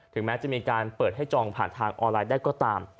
แม้จะมีการเปิดให้จองผ่านทางออนไลน์ได้ก็ตาม